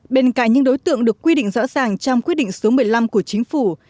bên cạnh những đối tượng được quy định rõ ràng trong quyết định số một mươi năm của chính phủ